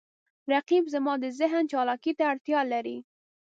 رقیب زما د ذهن چالاکي ته اړتیا لري